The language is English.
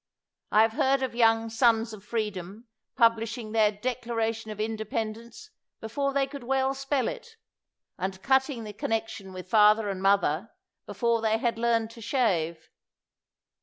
I have heard of young Sons of Freedom publishing their Declaration of Independence before they could well spell it; and cutting the connection with father and mother before they had learned to shave.